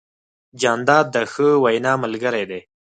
جانداد د ښه وینا ملګری دی.